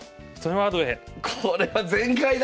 これは全開だ！